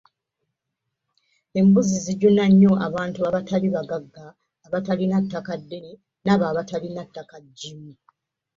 Embuzi zijuna nnyo abantu abatali bagagga, abatalina ttaka ddene n’abo abatalina ttaka jjimu.